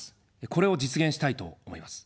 これを実現したいと思います。